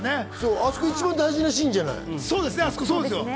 あそこ大事なシーンじゃない？